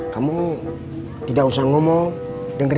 kamu tidak usah ngomong